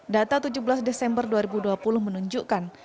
data tujuh belas desember dua ribu dua puluh menunjukkan